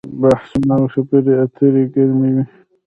بحثونه او خبرې اترې ګرمې وي.